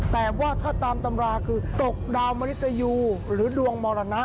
แต่ว่าถ้าตามตำราคือตกดาวมริตยูหรือดวงมรณะ